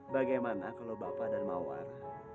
bagaimana kalau bapak dan mawar